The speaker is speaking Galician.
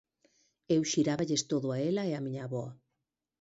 Eu xiráballes todo a ela e a miña avoa.